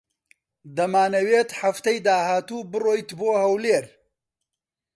دەمانەوێت هەفتەی داهاتوو بڕۆیت بۆ ھەولێر.